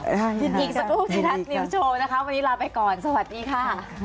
ยินดีค่ะยินดีค่ะอีกสัปดาห์ที่ทัศน์นิวโชว์นะคะวันนี้ลาไปก่อนสวัสดีค่ะ